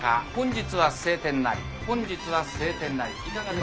本日は晴天なり。